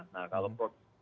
nah kalau produk punya makanan